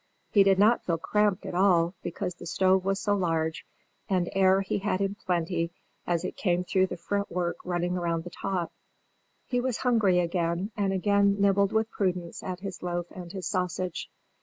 He did not feel cramped at all, because the stove was so large, and air he had in plenty, as it came through the fretwork running round the top. He was hungry again, and again nibbled with prudence at his loaf and his sausage.